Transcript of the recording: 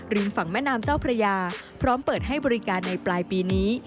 ฝั่งแม่น้ำเจ้าพระยาพร้อมเปิดให้บริการในปลายปีนี้